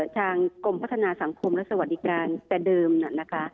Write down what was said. ทางกรมพัฒนาสังคมและสวัสดิการแต่เดิมน่ะนะคะ